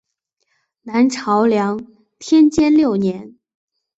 南朝梁天监六年。